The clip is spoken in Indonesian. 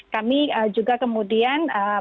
kami juga kemudian menurut